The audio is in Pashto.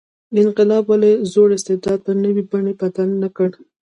انقلاب ولې زوړ استبداد پر نوې بڼې بدل نه کړ.